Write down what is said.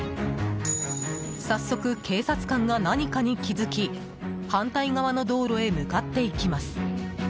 早速、警察官が何かに気づき反対側の道路へ向かっていきます。